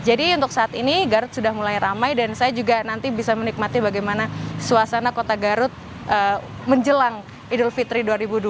jadi untuk saat ini garut sudah mulai ramai dan saya juga nanti bisa menikmati bagaimana suasana kota garut menjelang idul fitri dua ribu dua puluh empat